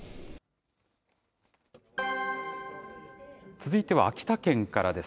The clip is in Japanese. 続いては秋田県からです。